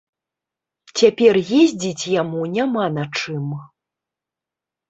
Цяпер ездзіць яму няма на чым.